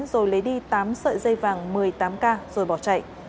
rồi lấy đi tám sợi dây vàng một mươi tám k rồi bỏ chạy